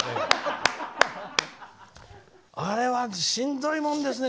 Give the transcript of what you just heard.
あれはしんどいもんですね。